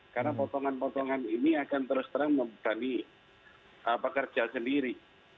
karena potongan potongan ini akan terus terang membebani pekerja sendiri